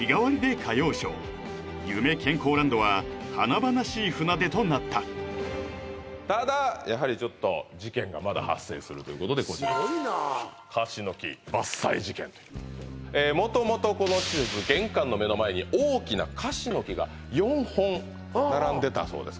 健康ランドは華々しい船出となったただやはりちょっと事件がまだ発生するということでこちらすごいな元々この施設玄関の目の前に大きなカシの木が４本並んでたそうです